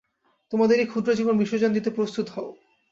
তোমাদের এই ক্ষুদ্র জীবন বিসর্জন দিতে প্রস্তুত হও।